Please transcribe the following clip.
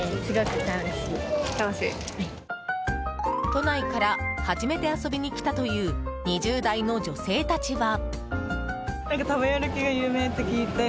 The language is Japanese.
都内から初めて遊びに来たという２０代の女性たちは。